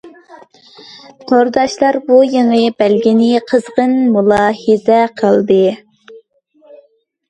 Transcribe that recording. تورداشلار بۇ يېڭى بەلگىلىمىنى قىزغىن مۇلاھىزە قىلدى.